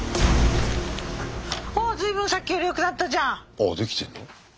ああできてんの？え？